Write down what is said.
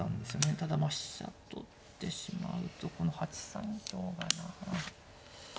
ただまあ飛車取ってしまうとこの８三香がな。